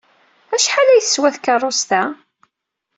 Acḥal ay teswa tkeṛṛust-a?